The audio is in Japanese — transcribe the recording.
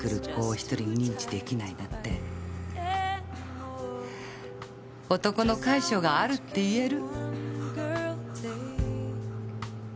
一人認知できないなんて男のかい性があるって言える？